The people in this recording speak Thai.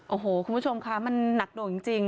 โอ้โหคุณผู้ชมคะมันหนักหน่วงจริง